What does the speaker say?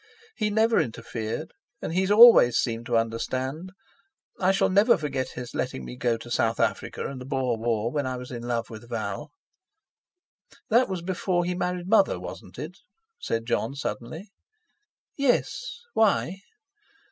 "He's never interfered, and he's always seemed to understand. I shall never forget his letting me go to South Africa in the Boer War when I was in love with Val." "That was before he married Mother, wasn't it?" said Jon suddenly. "Yes. Why?"